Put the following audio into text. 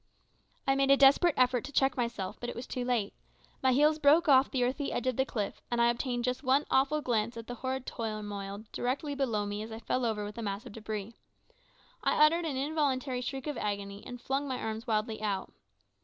I made a desperate effort to check myself, but it was too late. My heels broke off the earthy edge of the cliff, and I obtained just one awful glance of the horrid turmoil directly below me as I fell over with a mass of debris. I uttered an involuntary shriek of agony, and flung my arms wildly out.